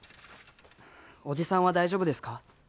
おじさんは大丈夫ですか？